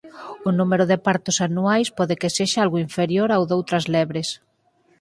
O número de partos anuais pode que sexa algo inferior ao doutras lebres.